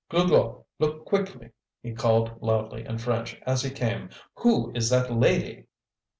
"Glouglou! Look quickly!" he called loudly, in French, as he came; "Who is that lady?"